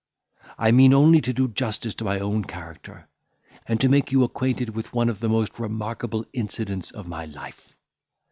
I mean only to do justice to my own character, and to make you acquainted with one of the most remarkable incidents of my life.